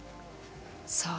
さあ